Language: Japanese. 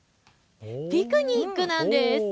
ピクニックなんです。